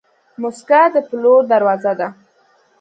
موسکا د پلور دروازه ده.